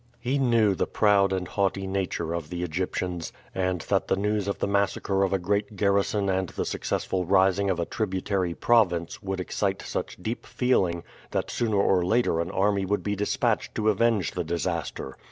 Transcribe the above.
He knew the proud and haughty nature of the Egyptians, and that the news of the massacre of a great garrison and the successful rising of a tributary province would excite such deep feeling that sooner or later an army would be dispatched to avenge the disaster.